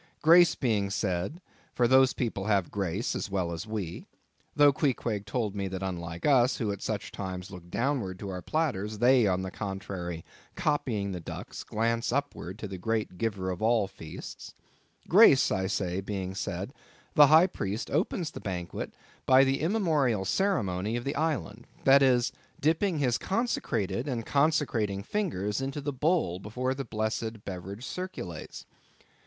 Grace being said,—for those people have their grace as well as we—though Queequeg told me that unlike us, who at such times look downwards to our platters, they, on the contrary, copying the ducks, glance upwards to the great Giver of all feasts—Grace, I say, being said, the High Priest opens the banquet by the immemorial ceremony of the island; that is, dipping his consecrated and consecrating fingers into the bowl before the blessed beverage circulates.